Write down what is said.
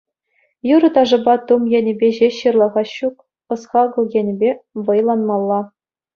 Юрӑ-ташӑпа тум енӗпе ҫеҫ ҫырлахас ҫук — ӑс-хакӑл енӗпе вӑйланмалла.